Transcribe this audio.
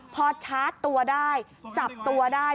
พอชาร์จตัวได้จับตัวได้